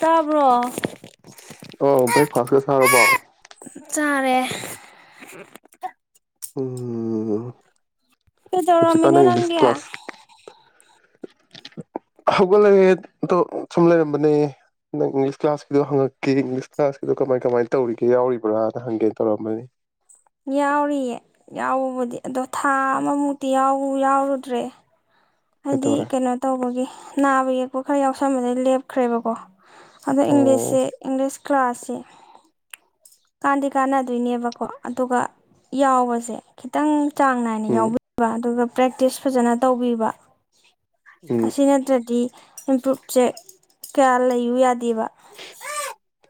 ꯇꯥꯕ꯭ꯔꯣ ꯑꯣ ꯕ꯭ꯔꯦꯛꯐꯥꯁꯀ ꯁꯥꯔꯕꯣ ꯆꯥꯔꯦ ꯎꯝ ꯍꯧꯖꯤꯛꯀꯥꯟ ꯑꯩꯗꯔꯃꯤꯅꯣ ꯅꯪ ꯏꯪꯂꯤꯁ ꯂꯒꯌꯥ ꯀ꯭ꯂꯥꯁ ꯍꯧꯒꯠꯂꯛꯑꯦ ꯑꯗꯣ ꯁꯨꯝ ꯂꯩꯔꯝꯕꯅꯦ ꯅꯪ ꯏꯪꯂꯤꯁ ꯀ꯭ꯂꯥꯁꯀꯤꯗꯣ ꯍꯪꯉꯛꯀꯦ ꯏꯪꯂꯤꯁ ꯀ꯭ꯂꯥꯁꯀꯤꯗꯣ ꯀꯃꯥꯏ ꯀꯃꯥꯏꯅ ꯇꯧꯔꯤꯒꯦ ꯌꯥꯎꯔꯤꯕ꯭ꯔꯥꯅ ꯍꯪꯒꯦꯅ ꯇꯧꯔꯝꯕꯅꯤ ꯌꯥꯎꯔꯤꯌꯦ ꯌꯥꯎꯎꯨꯕꯨꯗꯤ ꯑꯗꯣ ꯊꯥ ꯑꯃꯃꯨꯛꯇꯤ ꯌꯥ ꯌꯥꯎꯔꯨꯗ꯭ꯔꯦ ꯍꯥꯏꯗꯤ ꯀꯩꯇꯧꯔꯦ ꯀꯩꯅꯣ ꯇꯧꯕꯒꯤ ꯅꯥꯕ ꯌꯦꯛꯄ ꯈꯔ ꯌꯥꯎꯁ ꯁꯕꯗꯩ ꯂꯦꯞꯈ꯭ꯔꯦꯕꯀꯣ ꯑꯗ ꯏꯪꯂꯤꯁꯦ ꯑꯣ ꯏꯪꯂꯤ ꯀ꯭ꯂꯥꯁꯦ ꯀꯥꯟꯗꯤ ꯀꯥꯟꯅꯗꯣꯏꯅꯦꯕꯀꯣ ꯑꯗꯨꯒ ꯌꯥꯎꯕꯁꯦ ꯈꯤꯇꯪ ꯆꯥꯡ ꯅꯥꯏꯅ ꯎꯝ ꯌꯥꯎꯕꯤꯕ ꯑꯗꯨꯒ ꯄ꯭ꯔꯦꯛꯇꯤꯁ ꯐꯖꯅ ꯇꯧꯕꯤꯕ ꯎꯝ ꯑꯁꯤ ꯅꯠꯇ꯭ꯔꯗꯤ ꯏꯝꯄ꯭ꯔꯨꯞ ꯆꯦꯛ ꯀꯌꯥ ꯂꯩꯌꯨ ꯌꯥꯗꯦꯕ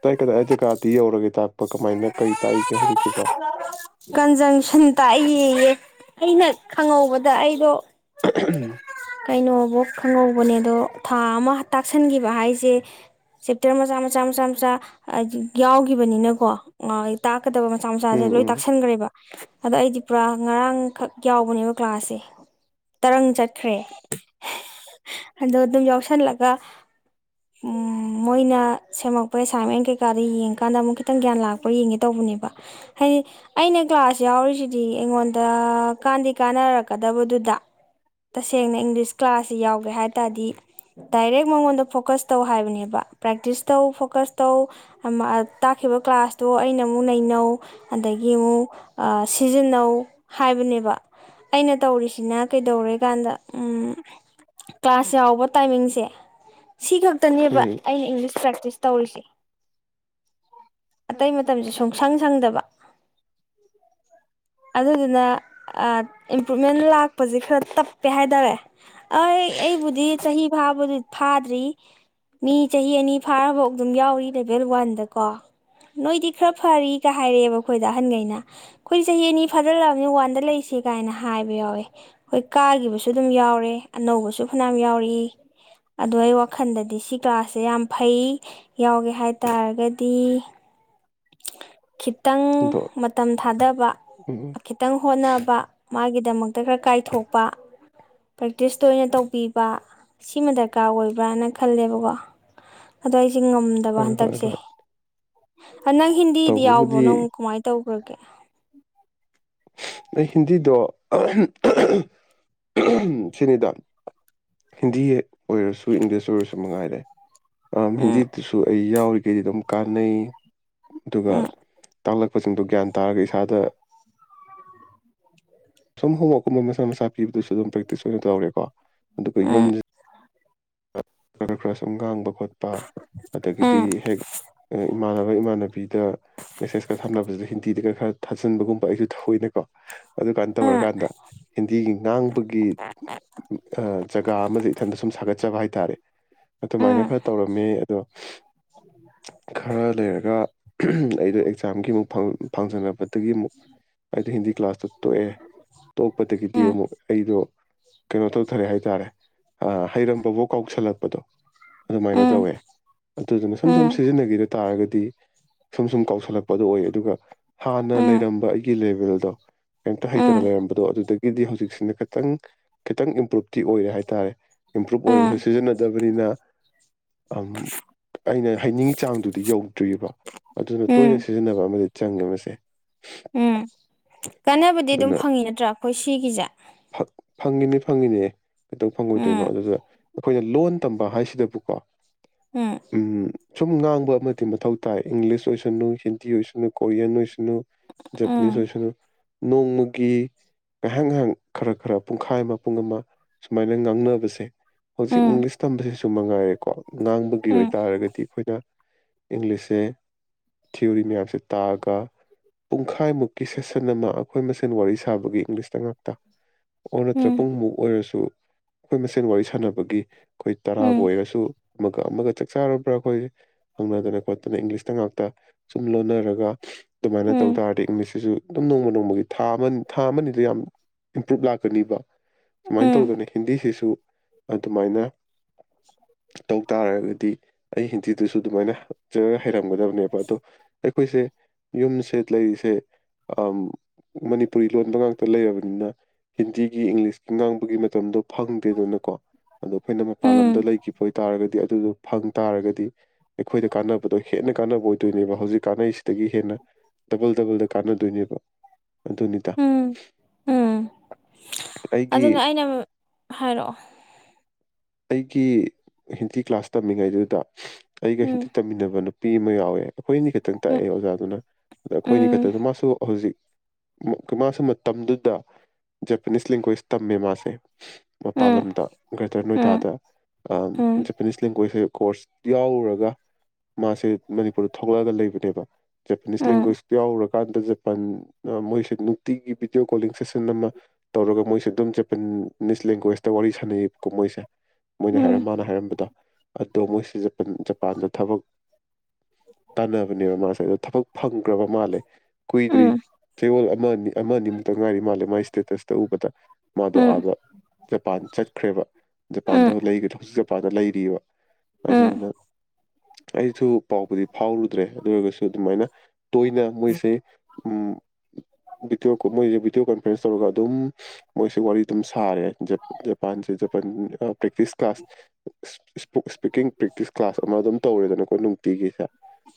ꯇꯥꯏ ꯀꯗꯥꯏ ꯑꯩ ꯖꯒꯥꯥꯗꯤ ꯌꯧꯔꯦ ꯇ ꯀꯃꯥꯏꯅ ꯀꯔꯤ ꯇꯥꯛꯏꯒꯦ ꯍꯧꯖꯤꯛꯁꯤꯕꯣ ꯀꯟꯖꯪꯁꯟ ꯇꯥꯛ ꯌꯦꯡꯉꯦ ꯑꯩꯅ ꯈꯪꯍꯧꯕꯗ ꯑꯩꯗꯣ ꯀꯥꯏꯩꯅꯉꯕꯣꯛ ꯈꯪꯍꯧꯕꯅꯦ ꯑꯗꯣ ꯊꯥ ꯑꯃ ꯇꯥꯛꯁꯟꯈꯤꯕ ꯍꯥꯏꯁꯦ ꯆꯦꯞꯇꯔ ꯃꯆꯥ ꯃꯆꯥ ꯃꯆꯥ ꯃꯆꯥ ꯃꯆꯥ ꯑꯥ ꯌꯥꯎꯒꯤꯕꯅꯤꯅꯀꯣ ꯇꯥꯛꯀꯗꯕ ꯃꯆꯥ ꯃꯆꯥꯁꯦ ꯎꯝ ꯂꯣꯏ ꯇꯥꯛ ꯎꯝ ꯌꯥꯎꯁꯟꯒꯔꯦꯕ ꯑꯗꯣ ꯑꯩꯗꯤ ꯄꯨꯔꯥ ꯉꯔꯥꯡꯈꯛ ꯌꯥꯎꯕꯅꯦꯕ ꯀ꯭ꯂꯥꯁꯁꯦ ꯇꯔꯪ ꯆꯠꯈ꯭ꯔꯦ ꯑꯗꯣ ꯑꯗꯨꯝ ꯌꯥꯎꯁꯜꯂꯒ ꯃꯣꯏꯅ ꯁꯦꯝꯃꯛꯄ ꯑꯦꯁꯥꯏꯃꯦꯟ ꯀꯩꯀꯥꯗꯣ ꯌꯦꯡꯀꯥꯟꯗ ꯑꯃꯨꯛ ꯈꯤꯇꯪ ꯒ꯭ꯌꯥꯟ ꯂꯥꯛꯄ ꯌꯦꯡꯒꯦ ꯇꯧꯕꯅꯦꯕ ꯍꯥꯏꯗꯤ ꯑꯩꯅ ꯀ꯭ꯂꯥꯁ ꯌꯥꯎꯔꯤꯁꯤꯗꯤ ꯑꯩꯉꯣꯟꯗ ꯀꯥꯟꯗꯤ ꯀꯥꯟꯅꯔꯛꯀꯗꯕꯗꯨꯗ ꯇꯁꯦꯡꯅ ꯏꯪꯂꯤꯁ ꯀ꯭ꯂꯥꯁꯁꯤ ꯌꯥꯎꯒꯦ ꯍꯥꯏ ꯇꯥꯔꯗꯤ ꯗꯥꯏꯔꯦꯛ ꯃꯉꯣꯟꯗ ꯐꯣꯀꯁ ꯇꯧ ꯍꯥꯏꯕꯅꯦꯕ ꯄ꯭ꯔꯦꯛꯇꯤꯁ ꯇꯧ ꯐꯣꯀꯁ ꯇꯧ ꯑꯥ ꯇꯥꯛꯈꯤꯕ ꯀ꯭ꯂꯥꯁꯇꯣ ꯑꯩꯅ ꯃꯨ ꯅꯩꯅꯧ ꯑꯩ ꯒꯤ ꯑꯃꯨꯛ ꯁꯤꯖꯤꯟꯅꯧ ꯍꯥꯏꯕꯅꯦꯕ ꯑꯩꯅ ꯇꯧꯔꯤꯁꯤꯅ ꯀꯩꯗꯧꯔꯦ ꯀꯥꯟꯗ ꯀ꯭ꯂꯥꯁ ꯌꯥꯎꯕ ꯇꯥꯏꯃꯤꯡꯁꯦ ꯁꯤ ꯈꯛꯇꯅꯦꯕ ꯎꯝ ꯑꯩꯅ ꯏꯪꯂꯤꯁ ꯄ꯭ꯔꯦꯛꯇꯤꯁ ꯇꯧꯔꯤꯁꯦ ꯑꯇꯩ ꯃꯇꯝꯁꯦ ꯁꯨꯡꯁꯪ ꯁꯪꯗꯕ ꯑꯗꯨꯗꯨꯅ ꯑꯥ ꯏꯝꯄ꯭ꯔꯨꯚꯃꯦꯟ ꯂꯥꯛꯄꯁꯦ ꯈꯔ ꯇꯞꯄꯦ ꯍꯥꯏ ꯇꯔꯦ ꯑꯩ ꯑꯩꯕꯨꯗꯤ ꯆꯍꯤ ꯐꯥꯕꯗꯤ ꯐꯥꯗ꯭ꯔꯤ ꯃꯤ ꯆꯍꯤ ꯑꯅꯤ ꯐꯥꯔꯐꯥꯎ ꯑꯗꯨꯝ ꯌꯥꯎꯔꯤ ꯂꯦꯚꯦꯜ ꯋꯥꯟꯗꯀꯣ ꯅꯣꯏꯗꯤ ꯈꯔ ꯐꯔꯤꯒ ꯍꯥꯏꯔꯛꯑꯦꯕ ꯑꯩꯈꯣꯏ ꯗ ꯑꯍꯟꯈꯩꯅ ꯑꯩꯈꯣꯏ ꯆꯍꯤ ꯑꯅꯤ ꯐꯥꯖꯤꯜꯂꯛꯑꯕꯅꯤ ꯋꯥꯟꯗ ꯂꯩꯁ ꯀꯥꯏꯅ ꯍꯥꯏꯕ ꯌꯥꯎꯋꯦ ꯑꯩꯈꯣꯏ ꯀꯥꯒꯤꯈꯤꯕꯁꯨ ꯑꯗꯨꯝ ꯌꯥꯎꯔꯦ ꯑꯅꯧꯕꯁꯨ ꯐꯅꯌꯥꯝ ꯌꯥꯎꯔꯛꯏ ꯑꯗꯣ ꯑꯩ ꯋꯥꯈꯜꯗꯗꯤ ꯁꯤ ꯀ꯭ꯂꯥꯁꯁꯦ ꯌꯥꯝ ꯐꯩ ꯌꯥꯎꯒꯦ ꯍꯥꯏ ꯇꯥꯔꯒꯗꯤ ꯈꯤꯇꯪ ꯑꯗꯣ ꯃꯇꯝ ꯊꯥꯗꯕ ꯎꯝ ꯈꯤꯇꯪ ꯍꯣꯠꯅꯕ ꯃꯥꯒꯤ ꯒꯤ ꯗꯃꯛꯇ ꯈꯔ ꯀꯥꯏꯊꯣꯛꯄ ꯄ꯭ꯔꯦꯛꯇꯤꯁ ꯇꯣꯏꯅ ꯇꯧꯕꯤꯕ ꯁꯤꯃ ꯗꯔꯀꯥꯔ ꯑꯣꯏꯕ꯭ꯔꯅ ꯈꯜꯂꯦꯕꯀꯣ ꯑꯗꯣ ꯆ ꯉꯝꯗꯕ ꯍꯣꯏ ꯍꯣꯏ ꯍꯟꯗꯛꯁꯦ ꯍꯣꯏ ꯅꯪ ꯍꯤꯟꯗꯤ ꯌꯥꯎꯕ꯭ꯔꯣ ꯇꯧꯕꯕꯨꯗꯤ ꯅꯪ ꯀꯃꯥꯏꯅ ꯇꯧ [unintelligible] ꯑꯩ ꯍꯤꯟꯗꯤꯗꯣ [unintelligible] ꯁꯤꯅꯤꯗ ꯍꯤꯟꯗꯤ ꯑꯣꯏꯔꯁꯨ ꯏꯪꯂꯤꯁ ꯑꯣꯏꯔꯁꯨ ꯃꯉꯥꯏꯔꯦ ꯑ ꯎꯝ ꯍꯤꯟꯗꯤꯗꯨꯁꯨ ꯑꯩ ꯌꯥꯎꯔꯤꯈꯩꯗꯤ ꯑꯗꯨꯝ ꯀꯥꯟꯅꯩ ꯑꯗꯨꯒ ꯎꯝ ꯇꯥꯛꯂꯛꯄꯁꯤꯡꯗꯣ ꯒ꯭ꯌꯥꯟ ꯇꯥꯔꯒ ꯏꯁꯥꯗ ꯁꯣꯝ ꯍꯣꯝꯋꯥꯛꯀꯨꯝꯕ ꯃꯁꯥ ꯃꯁꯥ ꯄꯤꯕꯗꯨꯁꯨ ꯑꯗꯨꯝ ꯄ꯭ꯔꯦꯛꯇꯤꯁ ꯑꯣꯏꯅ ꯇꯧꯔꯦꯀꯣ ꯑꯗꯨꯒ ꯌꯨꯝ ꯎꯝ ꯈꯔ ꯈꯔ ꯁꯨꯝ ꯉꯥꯡꯕ ꯈꯣꯠꯄ ꯑꯗꯒꯤꯗꯤ ꯎꯝ ꯍꯦꯛ ꯏꯃꯥꯟꯅꯕ ꯏꯃꯥꯟꯅꯕꯤꯗ ꯃꯦꯁꯦꯁ ꯈꯔ ꯊꯥꯅꯕꯁꯤꯗ ꯍꯤꯟꯗꯤꯗꯒ ꯈꯔ ꯊꯥꯖꯤꯟꯕꯒꯨꯝꯕ ꯑꯩꯁꯨ ꯊꯧꯑꯣꯏꯅꯦꯀꯣ ꯑꯗꯨꯀꯥꯟꯅ ꯎꯝ ꯇꯧꯔꯀꯥꯟꯗ ꯍꯤꯟꯗꯤꯒꯤ ꯉꯥꯡꯕꯒꯤ ꯖꯒꯥ ꯑꯃꯗꯤ ꯇꯗ ꯁꯨꯝ ꯁꯥꯒꯠ ꯆꯕ ꯍꯥꯏꯇꯔꯦ ꯑꯗꯨꯃꯥꯏꯅ ꯎꯝ ꯈꯔ ꯇꯧꯔꯝꯃꯦ ꯑꯗꯣ ꯈꯔ ꯂꯩꯔꯒ ꯑꯩꯗꯣ ꯑꯦꯛꯖꯥꯝꯒꯤ ꯑꯃꯨꯛ ꯐꯥꯡ ꯐꯥꯡꯖꯅꯕꯗꯒꯤ ꯑꯃꯨꯛ ꯑꯩꯗꯣ ꯍꯤꯟꯗꯤ ꯀ꯭ꯂꯥꯁꯇꯣ ꯇꯣꯛꯑꯦ ꯇꯣꯛꯄꯗꯒꯤꯗꯤ ꯎꯝ ꯑꯃꯨꯛ ꯑꯩꯗꯣ ꯀꯩꯅꯣ ꯇꯧꯊꯔꯦ ꯍꯥꯏꯇꯥꯔꯦ ꯑ ꯍꯩꯔꯝ ꯕꯣ ꯀꯧꯁꯜꯂꯛꯄꯗꯣ ꯑꯗꯨꯃꯥꯏꯅ ꯎꯝ ꯎꯝ ꯇꯧꯋꯦ ꯑꯗꯨꯗꯨꯅ ꯁꯨꯝ ꯁꯨꯝ ꯎꯝ ꯁꯤꯖꯤꯟꯅꯒꯤꯗ ꯇꯥꯔꯒꯗꯤ ꯗꯤ ꯁꯨꯝ ꯁꯨꯝ ꯀꯥꯎꯁꯜꯂꯛꯄꯗꯣ ꯑꯣꯏ ꯑꯗꯨꯒ ꯍꯥꯟꯅ ꯂꯩꯔꯝꯕ ꯑꯩꯒꯤ ꯂꯦꯕꯦꯜꯗꯣ ꯀꯩꯇ ꯍꯩꯇꯅ ꯎꯝ ꯎꯝ ꯂꯩꯔꯝꯕꯗꯣ ꯑꯗꯨꯗꯒꯤꯗꯤ ꯍꯧꯖꯤꯛꯁꯤꯅ ꯈꯤꯇꯪ ꯈꯤꯇꯪ ꯏꯝꯄ꯭ꯔꯨꯞ ꯇꯤ ꯑꯣꯏ ꯍꯥꯏꯇꯥꯔꯦ ꯑꯣꯏꯔꯒꯁꯨ ꯁꯤꯖꯤꯟꯅꯗꯕꯅꯤꯅ ꯑꯩꯅ ꯍꯧꯅꯤꯡꯉꯤ ꯆꯥꯡꯗꯨꯗꯤ ꯌꯧꯗ꯭ꯔꯤꯑꯦꯕ ꯑꯗꯨꯅ ꯇꯣꯏꯅ ꯎꯝ ꯁꯤꯖꯤꯟꯅꯕ ꯑꯃꯗꯤ ꯆꯪꯉꯦ ꯃꯁꯦ ꯎꯝ ꯀꯥꯟꯅꯕꯗꯤ ꯑꯗꯨꯝ ꯑꯗꯨꯅ ꯐꯪꯉꯤ ꯅꯠꯇ꯭ꯔꯥ ꯑꯈꯣꯏ ꯁꯤꯒꯤꯁꯦ ꯐꯪꯉꯤꯅꯦ ꯐꯪꯉꯤꯅꯦ ꯀꯩꯗꯧ ꯐꯪꯉꯣꯏꯗꯣꯏꯅꯣ ꯎꯝ ꯑꯗꯨꯗ ꯑꯩꯈꯣꯏꯅ ꯂꯣꯟ ꯇꯝꯕ ꯍꯥꯏꯁꯤꯗꯕꯨꯀꯣ ꯎꯝ ꯁꯨꯝ ꯉꯥꯡꯕ ꯑꯃꯗꯤ ꯃꯊꯧ ꯇꯥꯏ ꯏꯪꯂꯤꯁ ꯑꯣꯏꯁꯅꯨ ꯍꯤꯟꯗꯤ ꯑꯣꯏꯁꯅꯨ ꯀꯣꯔꯤꯌꯥꯟ ꯑꯣꯏꯁꯅꯨ ꯖꯄꯅꯤꯁ ꯎꯝ ꯑꯣꯏꯁꯅꯨ ꯅꯣꯡꯃꯒꯤ ꯉꯥꯏꯍꯥꯛ ꯉꯥꯏꯍꯥꯛ ꯈꯔ ꯈꯔ ꯄꯨꯡꯈꯥꯏ ꯑꯃ ꯄꯨꯡ ꯑꯃ ꯁꯨꯃꯥꯏꯅ ꯉꯥꯡꯅꯕꯁꯦ ꯍꯧꯖꯤꯛ ꯎꯝ ꯏꯪꯂꯤꯁ ꯇꯝꯕꯁꯤꯁꯨ ꯆꯨꯝ ꯃꯉꯥꯏꯔꯦꯀꯣ ꯉꯥꯡꯕꯒꯤ ꯎꯝ ꯑꯣꯏꯇꯥꯔꯒꯗꯤ ꯑꯩꯈꯣꯏꯅ ꯏꯪꯂꯤꯁꯁꯦ ꯊꯤꯑꯣꯔꯤ ꯃꯌꯥꯝꯁꯦ ꯇꯥꯛꯑꯒ ꯄꯨꯡꯈꯥꯏꯃꯨꯛꯀꯤ ꯁꯦꯁꯟ ꯑꯃ ꯑꯈꯣꯏ ꯃꯁꯦꯟ ꯋꯥꯔꯤ ꯁꯥꯕꯒꯤ ꯏꯪꯂꯤꯁꯇ ꯉꯥꯛꯇ ꯑꯣ ꯅꯠꯇ꯭ꯔ ꯎꯝ ꯄꯨꯡꯃꯨꯛ ꯑꯣꯏꯔꯁꯨ ꯑꯩꯈꯣꯏ ꯃꯁꯦꯟ ꯋꯥꯔꯤ ꯁꯥꯟꯅꯕ ꯄꯒꯤ ꯑꯈꯣꯏ ꯇꯔꯥꯕꯨ ꯎꯝ ꯑꯣꯏꯔꯁꯨ ꯑꯃꯒ ꯑꯃꯒ ꯆꯥꯛ ꯆꯥꯔꯕ꯭ꯔꯥ ꯑꯈꯣꯏ ꯍꯪꯅꯗꯅ ꯈꯣꯠꯇꯅ ꯏꯪꯂꯤꯁꯇ ꯉꯥꯛꯇ ꯁꯨꯝ ꯂꯣꯟꯅꯔꯒ ꯑꯗꯨꯃꯥꯏꯅ ꯇꯧ ꯎꯝ ꯇꯥꯔꯗꯤ ꯏꯪꯃꯤꯁꯁꯤꯁꯨ ꯑꯗꯨꯝ ꯅꯣꯡꯃ ꯅꯣꯡꯃꯒꯤ ꯊꯥ ꯑꯃ ꯊꯥ ꯑꯃꯅꯤꯗ ꯌꯥꯝ ꯏꯝꯄ꯭ꯔꯨꯨꯞ ꯂꯥꯛꯀꯅꯤꯕ ꯁꯨꯃꯥꯏꯅ ꯎꯝ ꯇꯧꯗꯅ ꯍꯤꯟꯗꯤꯁꯤꯁꯨ ꯑꯗꯨꯃꯥꯏꯅ ꯇꯧ ꯇꯥꯔꯒꯗꯤ ꯑꯩ ꯍꯤꯟꯗꯤꯗꯨꯁꯨ ꯑꯗꯨꯃꯥꯏꯅ ꯆ ꯍꯩꯔꯝꯒꯗꯕꯅꯦꯕ ꯑꯗꯣ ꯑꯩꯈꯣꯏꯁꯦ ꯌꯨꯝꯁꯦ ꯂꯩꯔꯤꯁꯦ ꯑꯥ ꯃꯅꯤꯄꯨꯔꯤ ꯂꯣꯟꯕ ꯉꯥꯛꯇ ꯂꯩꯔꯕꯅꯤꯅ ꯍꯤꯟꯗꯤꯒꯤ ꯏꯪꯂꯤꯁꯀꯤ ꯉꯥꯡꯕꯒꯤ ꯃꯇꯝꯗꯣ ꯐꯪꯗꯦꯗꯅꯀꯣ ꯑꯗꯣ ꯑꯈꯣꯏꯅ ꯃꯄꯥꯟ ꯂꯝꯗ ꯂꯩꯈꯤꯕ ꯑꯣꯏꯇꯥꯥꯔꯒꯗꯤ ꯑꯗꯨꯗꯨꯣ ꯐꯪ ꯇꯥꯔꯒꯗꯤ ꯑꯩꯈꯣꯏꯗ ꯀꯥꯟꯅꯕꯗꯣ ꯍꯦꯟꯅ ꯀꯥꯟꯅꯕ ꯑꯣꯏꯗꯣꯏꯅꯦꯕ ꯍꯧꯖꯤꯛ ꯀꯥꯟꯅꯩꯁꯤꯗꯒꯤ ꯍꯦꯟꯅ ꯗꯕꯜ ꯗꯕꯜꯗ ꯀꯥꯟꯅꯗꯣꯏꯅꯦꯕ ꯑꯗꯨꯅꯤꯗ ꯎꯝ ꯎꯝ ꯑꯩꯒꯤ ꯑꯗꯨꯅꯦ ꯑꯩꯅ ꯍꯥꯏꯔꯛꯑꯣ ꯑꯩꯒꯤ ꯍꯤꯟꯗꯤ ꯀ꯭ꯂꯥꯁ ꯇꯝꯃꯤꯉꯩꯗꯨꯗ ꯑꯩꯒ ꯍꯤꯟꯗꯤ ꯎꯝ ꯇꯝꯃꯤꯟꯅꯕꯅ ꯄꯤ ꯑꯃ ꯌꯥꯎꯋꯦ ꯑꯈꯣꯏꯅꯤ ꯈꯇꯪ ꯎꯝ ꯇꯥꯛꯑꯦ ꯑꯣꯖꯥꯗꯨꯅ ꯑꯗ ꯑꯈꯣꯏꯅꯤ ꯎꯝ ꯈꯇꯗꯤ ꯃꯥꯁꯨ ꯍꯧꯖꯤꯛ ꯃꯥꯁꯨ ꯃꯇꯝꯗꯨꯗ ꯖꯄꯅꯤꯁ ꯂꯦꯡꯒ꯭ꯣꯏꯁ ꯇꯝꯃꯦ ꯃꯥꯁꯦ ꯃꯄꯥꯜ ꯎꯝ ꯂꯝꯗ ꯒꯔ꯭ꯦꯇꯔ ꯅꯣꯏꯗ ꯎꯝ ꯇꯥꯥꯗ ꯑ ꯎꯝ ꯖꯄꯦꯅꯤꯁ ꯂꯦꯡꯒ꯭ꯋꯦꯁ ꯀꯣꯔꯁ ꯌꯥꯎꯔꯨꯔꯒ ꯃꯥꯁꯦ ꯃꯅꯤꯄꯨꯔꯗ ꯊꯣꯛꯂꯛꯑꯒ ꯂꯩꯕꯅꯦꯕ ꯖꯄꯅꯤꯁ ꯎꯝ ꯂꯦꯡꯒ꯭ꯋꯦꯇ ꯌꯥꯎꯔꯀꯥꯟꯗ ꯖ ꯇꯝ ꯃꯣꯏꯁꯦ ꯅꯨꯡꯇꯤꯒꯤ ꯕꯤꯗꯤꯑꯣ ꯀꯣꯂꯤꯡ ꯁꯦꯁꯟ ꯑꯃ ꯇꯧꯔꯒ ꯃꯣꯏꯁꯦ ꯑꯗꯨꯝ ꯆꯖꯄꯟꯅꯤꯁ ꯂꯦꯡꯒ꯭ꯋꯦꯁꯇ ꯋꯥꯔꯤ ꯁꯥꯟꯅꯩꯌꯦꯕꯀꯣ ꯃꯣꯏꯁꯦ ꯃꯣꯏꯅ ꯍꯥꯏꯔ ꯎꯝ ꯎꯝ ꯎꯝ ꯃꯥꯅ ꯍꯥꯏꯔꯝꯕꯗ ꯑꯗꯣ ꯃꯣꯏꯁꯤ ꯖꯄꯟ ꯖꯄꯥꯟꯗ ꯊꯕꯛ ꯇꯥꯟꯅꯕꯅꯦꯕ ꯃꯥꯁꯦ ꯑꯗꫭ ꯊꯕꯛ ꯐꯪꯈ꯭ꯔꯕ ꯃꯥꯜꯂꯦ ꯎꯝ ꯀꯨꯏꯗ꯭ꯔꯤ ꯎꯝ ꯆꯌꯣꯜ ꯑꯃ ꯑꯅꯤ ꯑꯃ ꯑꯅꯤ ꯃꯨꯛꯇ ꯉꯥꯏꯔꯤ ꯃꯥꯜꯂꯦ ꯃꯥꯥꯏ ꯏꯁꯇꯦꯇꯁꯇ ꯎꯕꯗ ꯃꯥꯗꯣ ꯎꯝ ꯑꯥꯗ ꯖꯄꯥꯟ ꯆꯠꯈ꯭ꯔꯦꯕ ꯖꯄꯥꯟꯗ ꯂꯩꯒ ꯍꯧꯖꯤꯛ ꯖꯄꯥꯟꯗ ꯂꯩꯔꯤꯕ ꯑꯗꯨꯗꯨꯅ ꯑꯩꯁꯨ ꯄꯥꯎꯕꯨꯗꯤ ꯐꯥꯎꯔꯨꯗ꯭ꯔꯦ ꯑꯗꯨ ꯑꯣꯏꯔꯒꯁꯨ ꯑꯗꯨꯝ ꯃꯥꯏꯅ ꯇꯣꯏꯅ ꯃꯣꯏꯁꯦ ꯎꯝ ꯚꯗꯤꯑꯣ ꯃꯣꯏꯁꯦ ꯚꯤꯗꯤꯑꯣ ꯀꫭꯟꯐ꯭ꯔꯦꯟꯁ ꯇꯧꯔꯒ ꯑꯗꯨꯝ ꯃꯣꯏꯁꯦ ꯋꯥꯔꯤ ꯑꯗꯨꯝ ꯁꯥꯔꯦ ꯖꯄꯥꯟꯁꯦ ꯖꯄꯥꯟ ꯄ꯭ꯔꯦꯛꯇꯤꯁ ꯀ꯭ꯂꯥꯁ ꯏꯁ ꯁ꯭ꯄꫭ ꯁ꯭ꯄꫭ ꯄꯤꯀꯤꯡ ꯄ꯭ꯔꯦꯛꯇꯤꯁ ꯀ꯭ꯂꯥꯁ ꯑꯃ ꯑꯗꯨꯝ ꯇꯧꯔꯦꯗꯅꯀꯣ ꯅꯨꯡꯇꯤꯒꯤꯁꯦ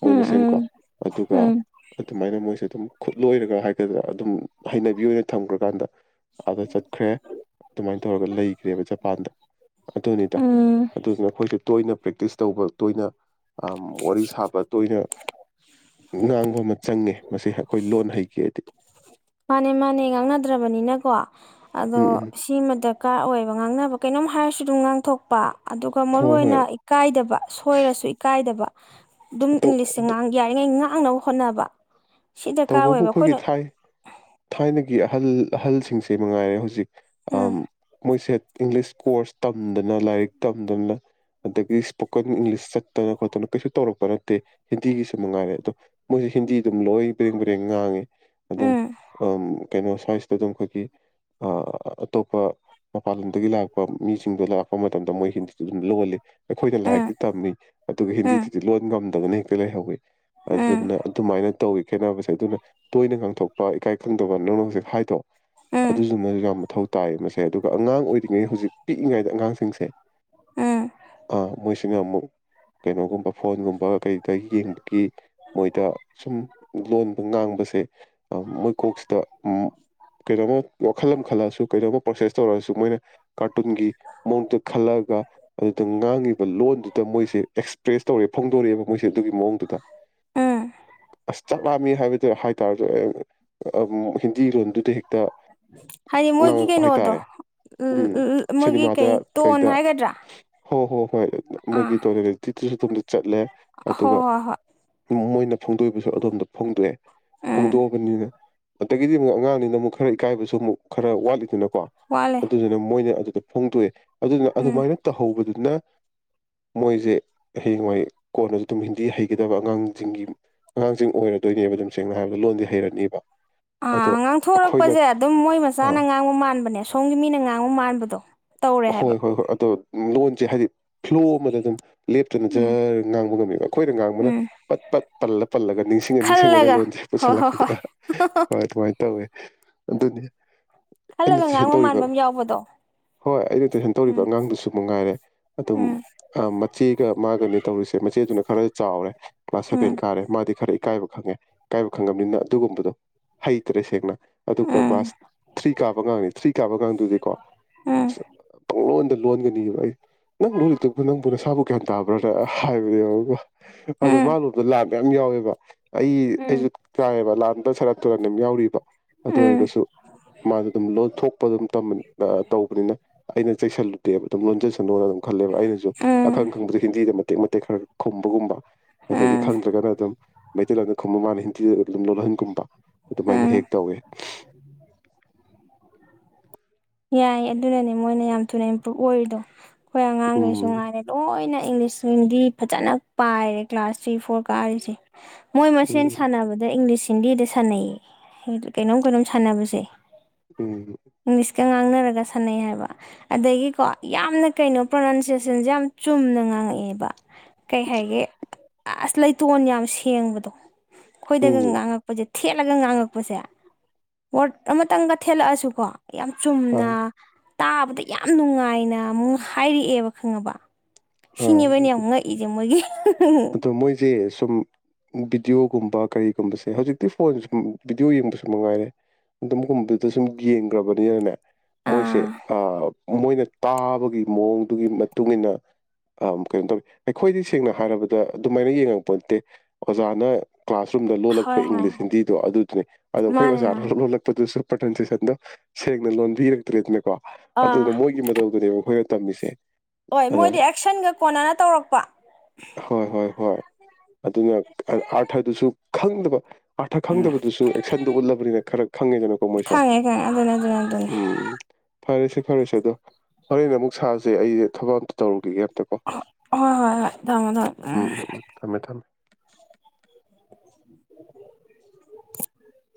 ꯃꯣꯏ ꯃꯁꯦꯟꯀꯣ ꯎꯝ ꯑꯗꯨꯒ ꯎꯝ ꯑꯗꯨꯃꯥꯏꯅ ꯃꯣꯏꯁꯦ ꯑꯗꯨꯝ ꯈꯨꯠꯂꯣꯏꯔꯒ ꯍꯥꯏꯒꯗꯔ ꯑꯗꯨꯝ ꯍꯩꯅꯕꯤ ꯑꯣꯏꯅ ꯊꯝꯈ꯭ꯔꯀꯥꯟꯗ ꯑꯥꯗ ꯆꯠꯈ꯭ꯔꯦ ꯑꯗꯨꯃꯥꯏꯅ ꯇꯧꯔꯒ ꯂꯩꯈ꯭ꯔꯦꯕ ꯖꯄꯥꯟꯗ ꯑꯗꯨꯅꯤꯗ ꯎꯝ ꯑꯗꯨꯗꯨꯅ ꯑꯩꯈꯣꯏꯁꯨ ꯇꯣꯏ ꯅ ꯄ꯭ꯔꯦꯛꯇꯤꯁ ꯇꯧꯕ ꯇꯣꯏꯅ ꯑꯝ ꯋꯥꯔꯤ ꯁꯥꯕ ꯇꯣꯏꯅ ꯉꯥꯡꯕ ꯑꯃ ꯆꯪꯉꯦ ꯃꯁꯤ ꯑꯩꯈꯣꯏ ꯂꯣꯟ ꯍꯩꯒꯦ ꯍꯥꯏꯗꯤ ꯃꯥꯅꯦ ꯃꯥꯅꯦ ꯉꯥꯡꯅꯗ꯭ꯔꯕꯅꯤꯅꯀꯣ ꯑꯗꯣ ꯎꯝ ꯎꯝ ꯁꯤꯃ ꯗꯔꯀꯥꯔ ꯑꯣꯏꯕ ꯉꯥꯡꯅꯕ ꯀꯩꯅꯣꯝ ꯍꯥꯏꯔꯁꯨ ꯑꯗꯨꯝ ꯉꯥꯡꯊꯣꯛꯄ ꯑꯗꯨꯒ ꯃꯔꯨꯅ ꯍꯣꯏ ꯍꯣꯏ ꯑꫭꯏꯅ ꯏꯀꯥꯏꯗꯕ ꯁꯣꯏꯔꯁꯨ ꯏꯀꯥꯏꯗꯕ ꯑꯗꯨꯝ ꯏꯪꯂꯤꯁꯁꯦ ꯉꯥꯡ ꯌꯥꯔꯤꯉꯩ ꯉꯥꯡꯅꯕ ꯍꯣꯠꯅꯕ ꯁꯤ ꯗꯔꯀꯥꯔ ꯇꯧꯕꯕꯨ ꯑꯣꯏꯌꯦꯕ ꯑꯩꯈꯣꯏꯒꯤ ꯑꯩꯈꯣꯏꯅ ꯊꯥꯏ ꯊꯥꯏꯅꯒꯤ ꯑꯍꯜ ꯑꯍꯜꯁꯤꯡꯁꯦ ꯃꯉꯥꯏꯔꯦ ꯍꯧꯖꯤꯛ ꯑ ꯎꯝ ꯃꯣꯏꯁꯦꯠ ꯏꯪꯂꯤꯁ ꯀꯣꯔꯁ ꯇꯝꯗꯅ ꯂꯥꯏꯔꯤꯛ ꯇꯝꯗꯅ ꯑꯗꯒꯤ ꯏꯁꯄꯣꯀꯟ ꯏꯪꯂꯤꯁ ꯆꯠꯇꯅ ꯈꯣꯠꯇꯅ ꯀꯩꯁꯨ ꯇꯧꯔꯛꯄ ꯅꯠꯇꯦ ꯍꯤꯟꯗꯤꯒꯤꯁꯨ ꯃꯉꯥꯏꯔꯦ ꯑꯗꯣ ꯃꯣꯏꯁꯦ ꯍꯤꯟꯗꯤ ꯑꯗꯨꯝ ꯂꯣꯏ ꯕꯔꯦꯡ ꯕꯔꯦꯡ ꯉꯥꯡꯉꯤ ꯑꯗꯨꯝ ꯎꯝ ꯀꯩꯅꯣꯁꯦ ꯁ꯭ꯋꯥꯏꯁꯤꯗ ꯑꯗꯨꯝ ꯑꯩꯈꯣꯏꯒꯤ ꯑꯇꯣꯞꯄ ꯃꯄꯥꯟ ꯂꯝꯗꯒꯤ ꯂꯥꯛꯄ ꯃꯤꯁꯤꯡꯗꯣ ꯂꯥꯛꯄ ꯃꯇꯝꯗ ꯃꯣꯏ ꯍꯤꯟꯗꯤꯗꯨ ꯑꯗꯨꯝ ꯂꯣꯜꯂꯤ ꯑꯩꯈꯣꯏꯅ ꯎꯝ ꯂꯥꯏꯔꯤꯛꯇꯤ ꯇꯝꯃꯤ ꯑꯗꯨꯒ ꯎꯝ ꯍꯤꯟꯗꯤꯗꯨꯗꯤ ꯂꯣꯟ ꯉꯝꯅꯤ ꯇꯧꯅꯤ ꯍꯦꯛꯇ ꯂꯩꯍꯧꯋꯤ ꯎꯝ ꯑꯗꯨꯗꯨꯅ ꯑꯗꯨꯃꯥꯏꯅ ꯇꯧꯋꯥ ꯈꯦꯠꯅꯕꯁꯦ ꯑꯗꯨꯅ ꯇꯣꯏꯅ ꯉꯪꯊꯣꯛꯄ ꯏꯀꯥꯏ ꯈꯪꯗꯕ ꯅꯪꯅ ꯍꯧꯖꯤꯛ ꯍꯥꯏꯗꯣ ꯎꯝ ꯑꯗꯨꯁꯨꯃꯁꯨ ꯌꯥꯝ ꯃꯊꯧ ꯇꯥꯏ ꯃꯁꯦ ꯑꯗꯨꯒ ꯑꯉꯥꯡ ꯑꯣꯏꯔꯤꯉꯩ ꯍꯧꯖꯤꯛ ꯄꯤꯛꯏꯉꯩꯗ ꯑꯉꯥꯡꯁꯤꯡꯁꯦ ꯎꯝ ꯃꯣꯏꯁꯤꯅ ꯑꯃꯨꯛ ꯀꯩꯅꯣꯒꯨꯝꯕ ꯐꯣꯟꯒꯨꯝꯕ ꯀꯩꯗ ꯌꯦꯡꯕꯒꯤ ꯃꯣꯏꯗ ꯁꯨꯝ ꯂꯣꯟꯕ ꯉꯥꯡꯕꯁꯦ ꯃꯣꯏ ꯀꯣꯛꯁꯤꯗ ꯀꯩꯅꯣꯝꯃ ꯋꯥꯈꯜ ꯑꯃ ꯈꯜꯂꯛꯑꯁꯨ ꯀꯩꯗꯣꯝꯃ ꯄ꯭ꯔꯣꯁꯦꯁ ꯇꯧꯔꯛꯑꯁꯨ ꯃꯣꯏꯅ ꯀꯥꯔꯇꯨꯟꯒꯤ ꯃꯑꯣꯡꯗꯨ ꯈꯜꯂꯛꯑꯒ ꯑꯗꯨꯗ ꯉꯥꯡꯉꯤꯕ ꯂꯣꯟꯗꯨꯗ ꯃꯣꯏꯁꯦ ꯑꯦꯛꯁꯄ꯭ꯔꯦꯁ ꯇꯧꯔꯦ ꯐꯣꯡꯗꯣꯔꯛꯑꯦꯕ ꯃꯣꯏꯁꯦ ꯑꯗꯨꯒꯤ ꯃꯑꯣꯡꯗꯨꯗ ꯎꯝ ꯑꯁ ꯆꯥꯛꯂꯥꯝꯃꯤ ꯍꯥꯏꯕꯗ ꯍꯥꯏꯇꯥꯔꯁꯨꯣ ꯑꯦ ꯍꯤꯟꯗꯤ ꯂꯣꯟꯗꯨꯗꯤ ꯍꯦꯛ ꯍꯥꯏꯗꯤ ꯃꯣꯏꯒꯤ ꯀꯩꯅꯣꯗꯣ ꯎꯝ ꯃꯣꯏꯒꯤ ꯁꯤꯅꯦꯃꯥꯗ ꯀꯩ ꯇꯣꯟ ꯀꯩꯗ ꯍꯥꯏꯒꯗ꯭ꯔꯥ ꯍꯣ ꯍꯣ ꯍꯣꯏ ꯑꯥ ꯃꯣꯏꯒꯤ ꯇꯣꯟ [unintelligible] ꯆꯠꯂꯦ ꯍꯣꯏ ꯑꯗꯨꯒ ꯍꯣꯏ ꯍꯣꯏ ꯃꯣꯏꯅ ꯐꯣꯡꯗꯣꯛꯕꯁꯨ ꯑꯣꯝ ꯐꯣꯡꯗꯣꯛꯑꯦ ꯎꯝ ꯐꯣꯡꯗꯣꯛꯑꯕꯅꯤꯅ ꯑꯗꯒꯤꯗꯤ ꯑꯃꯨꯛ ꯑꯉꯥꯡꯅꯤꯅ ꯑꯃꯨꯛ ꯈꯔ ꯏꯀꯥꯏꯕꯁꯨ ꯑꯃꯨꯛ ꯈꯔ ꯋꯥꯠꯂꯤꯗꯅ ꯀꯣ ꯋꯥꯠꯂꯦ ꯑꯗꯨꯗꯨꯅ ꯃꯣꯏꯅ ꯑꯗꯨꯗ ꯐꯣꯡꯗꯣꯛꯏ ꯑꯗꯨꯅ ꯎꯝ ꯑꯗꯨꯃꯥꯏꯅ ꯇꯧꯍꯧꯕꯗꯨ ꯑꯗꯨꯅ ꯃꯣꯏꯁꯦ ꯍꯌꯦꯡꯋꯥꯥꯏ ꯀꯣꯟꯅꯁꯨ ꯑꯗꯨꯝ ꯍꯤꯟꯗꯤ ꯍꯩꯒꯗꯕ ꯑꯉꯥꯡꯁꯤꯡꯒꯤ ꯑꯉꯥꯡꯁꯤꯡ ꯑꯣꯏꯔ ꯇ ꯑꯗꯣꯏꯅꯦꯕ ꯑꯗꯨꯝ ꯁꯦꯡꯅ ꯍꯥꯏꯕꯗ ꯂꯣꯟꯗꯤ ꯍꯩꯔꯅꯤꯕ ꯑꯥ ꯑꯗꯣ ꯑꯩꯈꯣꯏꯅ ꯉꯥꯡꯊꯣꯔꯛꯄꯁꯦ ꯑꯗꯨꯝ ꯃꯣꯏ ꯑ ꯃꯆꯥꯅ ꯉꯥꯡꯕ ꯃꯥꯟꯕꯅꯦ ꯁꯣꯝꯒꯤ ꯃꯤꯅ ꯉꯥꯡꯕ ꯃꯥꯟꯕꯗꯣ ꯇꯧꯔꯦ ꯍꯥꯏꯕ ꯍꯣꯏ ꯍꯣꯏ ꯍꯣꯏ ꯑꯗꯣ ꯂꯣꯟꯁꯦ ꯍꯥꯏꯗꯤ ꯐ꯭ꯂꯣ ꯑꯃꯗ ꯑꯗꯨꯝ ꯂꯦꯞꯇꯅ ꯎꯝ ꯖꯔ ꯉꯥꯡꯕ ꯉꯝꯃꯦꯕ ꯑꯩꯈꯣꯏꯅ ꯉꯥꯡꯕꯅ ꯎꯝ ꯄꯠ ꯄꯠ ꯄꯜꯂ ꯄꯜꯂꯒ ꯅꯤꯡꯁꯤꯡ ꯅꯤꯡꯁꯤꯡꯉꯒ ꯈꯜꯂꯒ ꯂꯣꯟꯁꯦ ꯍꯣꯏ ꯍꯣꯏ ꯄꯨꯁꯜꯂꯛꯀꯅꯤ ꯍꯣꯏ ꯍꯣꯏ ꯑꯗꯨꯃꯥꯏꯅ ꯇꯧꯋꯦ ꯑꯗꯨꯅꯤ ꯑꯩꯅ ꯈꯜꯂꯒ ꯇꯨꯏꯁꯟ ꯉꯥꯡꯕ ꯇꯧꯔꯤꯕ ꯃꯥꯟꯕ ꯑꯃ ꯌꯥꯎꯕꯗꯣ ꯍꯣꯏ ꯑꯩꯅ ꯇꯨꯏꯁꯟ ꯇꯧꯔꯤꯕ ꯎꯝ ꯑꯉꯥꯡꯗꯨꯁꯨ ꯃꯉꯥꯏꯔꯦ ꯑꯗꯨꯝ ꯎꯝ ꯃꯆꯦꯒ ꯃꯥꯒꯅꯤ ꯇꯧꯔꯤꯁꯦ ꯃꯆꯦꯗꯨꯅ ꯈꯔ ꯆꯥꯎꯔꯦ ꯀꯂꯥꯁ ꯁꯚꯦꯟ ꯎꯝ ꯀꯥꯔꯦ ꯃꯥꯗꯤ ꯈꯔ ꯏꯀꯥꯏꯕ ꯈꯪꯉꯦ ꯏꯀꯥꯏꯕ ꯈꯪꯉꯕꯅꯤꯅ ꯑꯗꯨꯒꯨꯝꯕꯗꯣ ꯍꯩꯇꯔꯦ ꯁꯦꯡꯅ ꯑꯗꯨꯒ ꯎꯝ ꯀ꯭ꯂꯥꯁ ꯊ꯭ꯔꯤ ꯀꯥꯕꯒꯤꯅ ꯊ꯭ꯔꯤ ꯀꯥꯕꯒꯗꯨꯗꯤꯀꯣ ꯎꯝ ꯑꯁ ꯂꯣꯟ ꯂꯣꯟꯒꯅꯤꯕ ꯑꯩ ꯅꯪ ꯣꯜ ꯇ ꯅꯪ ꯄꯨꯅ ꯁꯥꯕꯨ ꯀꯦꯕ ꯄ꯭ꯔꯗꯛ ꯍꯥꯏꯕꯗꯤ ꯌꯦꯡ ꯑꯗꯣ ꯎꯝ ꯃꯥꯂꯣꯝꯗ ꯂꯥꯟꯗ ꯌꯥꯝ ꯌꯥꯎꯋꯦꯕ ꯑꯩ ꯑꯩꯁꯨ ꯎꯝ ꯆꯥꯏꯑꯕ ꯂꯗ ꯁꯔ ꯇꯅꯤꯝ ꯌꯥꯎꯔꯤꯕ ꯑꯗꯨ ꯎꯝ ꯑꯣꯏꯔꯒꯁꯨ ꯃꯥꯅ ꯑꯗꯨꯝ ꯂꯣꯟꯊꯣꯛꯄ ꯑꯗꯨꯝ ꯇꯧꯕꯅꯤꯅ ꯑꯩꯅ ꯆꯩꯁꯜꯂꯨꯗꯦꯕ ꯑꯗꯨꯝ ꯂꯣꯟꯖꯁꯅꯣꯅ ꯑꯗꯨꯝ ꯈꯜꯂꯦꯕ ꯑꯩꯅꯁꯨ ꯑꯈꯪ ꯎꯝ ꯈꯪꯕꯗ ꯍꯤꯟꯗꯤꯗ ꯃꯇꯦꯛ ꯃꯇꯦꯛ ꯈꯔ ꯈꯨꯝꯕꯒꯨꯝꯕ ꯑꯗꯒꯤ ꯎꯝ ꯈꯪꯗ꯭ꯔꯒꯅ ꯑꯗꯨꯝ ꯅ ꯈꯪꯕ ꯃꯥꯅ ꯍꯤꯟꯗꯤꯗ ꯑꯗꯨꯨꯝ ꯂꯣꯟꯍꯟꯒꯨꯝꯕ ꯑꯗꯨꯃꯥꯏꯅ ꯍꯦꯛ ꯎꯝ ꯇꯧꯋꯦ ꯌꯥꯏ ꯑꯗꯨꯅꯅꯦ ꯃꯣꯏꯅ ꯌꯥꯝ ꯊꯨꯅ ꯏꯝꯄ꯭ꯔꯨꯨꯞ ꯑꯣꯏꯔꯤꯗꯣ ꯑꯩꯈꯣꯏ ꯑꯉꯥꯡꯈꯩꯁꯨ ꯎꯝ ꯉꯥꯏꯔꯦ ꯂꯣꯏꯅ ꯏꯪꯂꯤꯁ ꯍꯤꯟꯗꯤ ꯐꯖꯅ ꯄꯥꯏꯔꯦ ꯀ꯭ꯂꯥꯁ ꯊ꯭ꯔꯤ ꯐꯣꯔ ꯀꯥꯔꯤꯁꯦ ꯃꯣꯏ ꯃꯁꯦꯟ ꯎꯝ ꯁꯥꯟꯅꯕꯗ ꯏꯪꯂꯤꯁ ꯤꯟꯗꯤꯗ ꯁꯥꯟꯅꯩ ꯀꯩꯅꯣꯝ ꯀꯩꯅꯣꯝ ꯁꯥꯟꯅꯕꯁꯦ ꯎꯝ ꯀ ꯉꯥꯡꯅꯔꯒ ꯁꯥꯟꯅꯩ ꯍꯥꯏꯕ ꯑꯗꯒꯤꯀꯣ ꯌꯥꯝꯅ ꯀꯩꯅꯣ ꯄ꯭ꯔꯣꯅꯥꯎꯟꯁꯦꯁꯟꯁꯦ ꯌꯥꯝ ꯆꯨꯝꯅ ꯉꯥꯡꯉꯛꯑꯦꯕ ꯀꯩ ꯍꯥꯏꯒꯦ ꯑꯁ ꯂꯩꯇꯣꯟ ꯌꯥꯝ ꯁꯦꯡꯕꯗꯣ ꯑꯩꯈꯣꯏꯗꯒ ꯎꯝ ꯉꯥꯡꯉꯛꯄꯁꯦ ꯊꯦꯠꯂꯒ ꯉꯥꯡꯉꯛꯄꯁꯦ ꯋꯥꯔꯗ ꯑꯃꯇꯪꯒ ꯊꯦꯠꯂꯛꯑꯁꯨ ꯀꯣ ꯌꯥꯝ ꯑꯥ ꯆꯨꯝꯅ ꯇꯥꯕꯗ ꯌꯥꯝ ꯅꯨꯡꯉꯥꯏꯅ ꯑꯃꯨꯛ ꯍꯥꯏꯔꯛꯑꯦꯕ ꯈꯪꯉꯕ ꯁꯤꯅꯦꯕꯅꯦ ꯑꯥ ꯑꯃꯨꯛ ꯉꯛꯏꯁꯦ ꯃꯣꯏꯒꯤ ꯑꯗꯣ ꯃꯣꯏꯁꯦ ꯁꯨꯝ ꯕꯤꯤꯗꯤꯌꯣꯒꯨꯝꯕ ꯀꯔꯤꯒꯨꯝꯕꯁꯦ ꯍꯧꯖꯤꯛꯇꯤ ꯐꯣꯟ ꯁ ꯕꯤꯤꯗꯤꯑꯣ ꯌꯦꯡꯕꯁꯨ ꯃꯉꯥꯏꯔꯦ ꯑꯗꯨꯝꯒꯨꯝꯕꯗꯨꯗ ꯁꯨꯝ ꯌꯦꯡꯈ꯭ꯔꯕꯅꯤꯅꯅꯦ ꯃꯣꯏꯁꯦ ꯑꯥ ꯃꯣꯏꯅ ꯇꯥꯕꯒꯤ ꯃꯑꯣꯡꯗꯨꯒꯤ ꯃꯇꯨꯡ ꯀꯩꯅꯣ ꯇꯧꯋ ꯑꯩꯈꯣꯏꯗꯤ ꯁꯦꯡꯅ ꯍꯥꯏꯔꯕꯗ ꯗ ꯑꯗꯨꯃꯥꯏꯅ ꯌꯦꯡꯉꯛꯄ ꯅꯠꯇꯦ ꯑꯣꯖꯥꯅ ꯀ꯭ꯂꯥꯁꯔꯨꯝꯗ ꯂꯣꯜꯂꯛꯄ ꯍꯣꯏ ꯍꯣꯏ ꯏꯪꯂꯤꯁ ꯍꯤꯟꯗꯤꯗꯣ ꯑꯗꯨꯗꯨꯅꯤ ꯑꯗꯣ ꯑꯩꯈꯣꯏ ꯃꯥꯅꯦ ꯑꯣꯖꯥꯅ ꯃꯥꯅꯦ ꯂꯣꯜꯂꯛꯄꯗꯨꯁꯨ ꯄꯟꯁꯤꯁ ꯑꯗꯨꯅꯣ ꯁꯦꯛꯒꯅ ꯂꯣꯟ ꯏꯔꯛꯇ ꯇ ꯂꯩꯗꯃꯦꯀꯣ ꯑꯥ ꯑꯗꯨꯅ ꯃꯣꯏꯒꯤ ꯃꯇꯧꯗꯨꯅꯦꯕ ꯍꯣꯏ ꯇꯝꯃꯤꯁꯦ ꯑꯣꯏ ꯑꯗ ꯃꯣꯏꯗꯤ ꯑꯦꯛꯁꯟꯒ ꯀꯣꯟꯅꯅ ꯇꯧꯔꯛꯄ ꯍꯣꯏ ꯍꯣꯏ ꯍꯣꯏ ꯑꯗꯨꯅ ꯑꯥꯔꯊ ꯈꯪꯗꯕ ꯑꯥꯔꯊ ꯎꯝ ꯈꯪꯗꯕꯗꯨꯁꯨ ꯑꯦꯛꯁꯟꯗꯨ ꯎꯠꯂꯕꯅꯤꯅ ꯈꯔ ꯈꯪꯉꯦꯗꯅꯀꯣ ꯃꯣꯏꯁꯨ ꯈꯪꯉꯦ ꯈꯪꯉꯦ ꯑꯗꯨꯅꯦ ꯑꯗꯨꯅꯦ ꯑꯗꯨꯅꯦ ꯎꯝ ꯐꯔꯦꯁꯦ ꯐꯔꯦꯁꯦ ꯑꯗꯣ ꯍꯣꯔꯦꯟ ꯑꯃꯨꯛ ꯁꯥꯁꯦ ꯑꯩ ꯊꯕꯛ ꯑꯝꯇ ꯇꯧꯔꯨꯈꯤꯒꯦ ꯑꯝꯇꯀꯣ ꯍ ꯍꯣꯏ ꯍꯣꯏ ꯊꯥꯝꯃꯣ ꯊꯝ ꯎꯝ [inaudible]